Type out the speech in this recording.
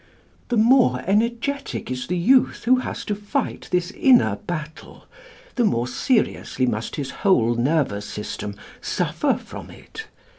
The more energetic is the youth who has to fight this inner battle, the more seriously must his whole nervous system suffer from it.